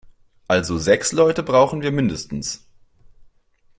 Also sechs Leute brauchen wir mindestens.